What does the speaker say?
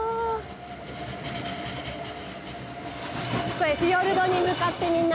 これフィヨルドに向かってみんな。